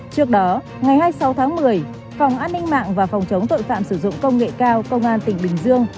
trước đó ngày hai mươi sáu tháng một mươi phòng an ninh mạng và phòng chống tội phạm sử dụng công nghệ cao công an tỉnh bình dương